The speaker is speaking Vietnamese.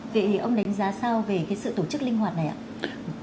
thực tiễn ông đánh giá sao về sự tổ chức linh hoạt này ạ